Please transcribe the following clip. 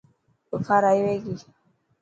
بخار آيو هي ڪي.